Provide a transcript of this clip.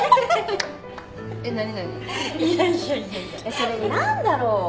それに何だろう？